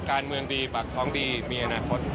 การเมืองดีปากท้องดีมีอนาคต